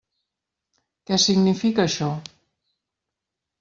Què significa això?